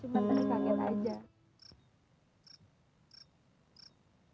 cuma tadi kangen aja